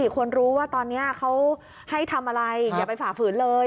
คนรู้ว่าตอนนี้เขาให้ทำอะไรอย่าไปฝ่าฝืนเลย